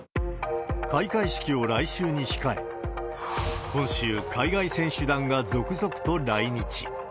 開会式を来週に控え、今週、海外選手団が続々と来日。